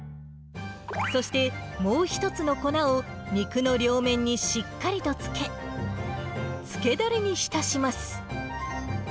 そして、もう一つの粉を肉の両面にしっかりとつけ、つけだれに浸します。